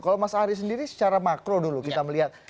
kalau mas ari sendiri secara makro dulu kita melihat